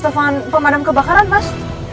pegang asuan pambadang kebakaran mas